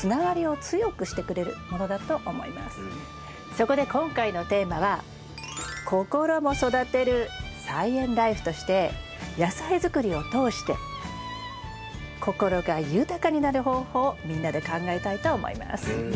そこで今回のテーマは「ココロも育てる！菜園ライフ」として野菜づくりを通して心が豊かになる方法をみんなで考えたいと思います。